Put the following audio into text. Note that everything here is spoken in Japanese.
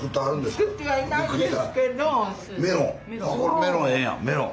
メロンええやんメロン。